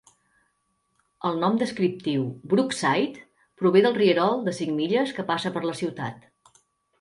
El nom descriptiu Brookside prové del rierol de cinc milles que passa per la ciutat.